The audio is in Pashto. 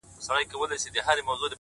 جنگ روان ـ د سولي په جنجال کي کړې بدل-